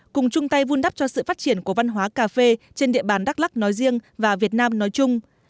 cùng chung tay vun đắp cho sự phát triển của văn hóa cà phê trên địa bàn đắk lắc nói riêng và việt nam nói chung